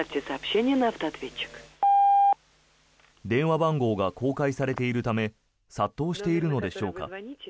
電話番号が公開されているため殺到しているのでしょうか。